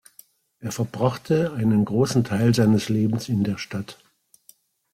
Er verbrachte einen großen Teil seines Lebens in der Stadt.